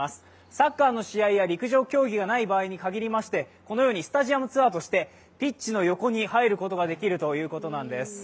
サッカーの試合や陸上競技がない場合に限りましてこのようにスタジアムツアーとしてピッチの横に入ることができるということなんです。